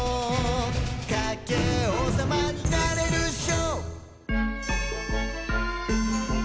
「カッケーおうさまになれるっしょ！」